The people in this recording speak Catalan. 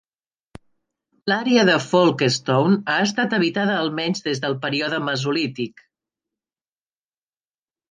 L'àrea de Folkestone ha estat habitada almenys des del període mesolític.